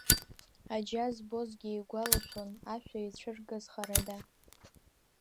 Аџьа збозгьы игәалашәон, ашәа ицәыргаз харада.